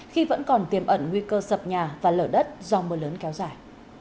khi vẫn còn tiềm ẩn nguy cơ sập nhà và lở đất do mưa lớn kéo dài